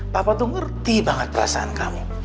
papa tuh ngerti banget perasaan kamu